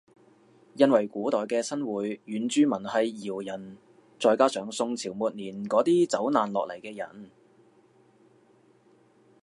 因為古代嘅新會原住民係瑤人再加上宋朝末年嗰啲走難落嚟嘅人